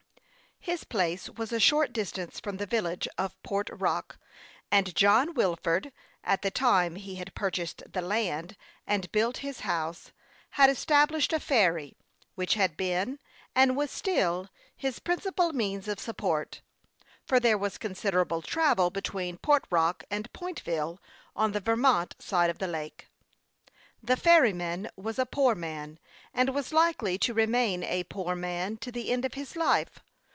His place was a short distance from the village of Port Rock, and John Wilford, at the time he had purchased the land and built his house, had established a ferry, which had been, and was still, THE YOUNG PILOT OF LAKE CHAMPLAIN. 25 his principal means of support ; for there was con siderable travel between Port Rock and Pointville, on the Vermont side of the lake. The ferryman was a poor man, and was likely to remain a poor man to the end of his life.